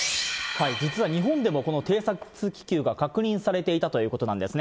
実は日本でもこの偵察気球が確認されていたということなんですね。